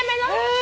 え！